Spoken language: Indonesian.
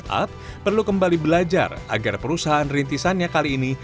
untuk mempertahankan startup perlu kembali belajar agar perusahaan rintisannya kali ini